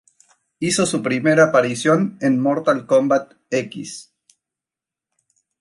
Hizo su primera aparición en "Mortal Kombat X".